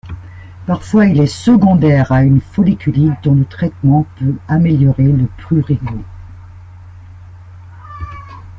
Parfois, il est secondaire à une folliculite dont le traitement peut améliorer le prurigo.